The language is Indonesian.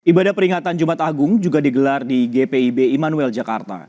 ibadah peringatan jumat agung juga digelar di gpib immanuel jakarta